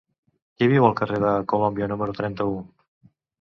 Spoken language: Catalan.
Qui viu al carrer de Colònia número trenta-u?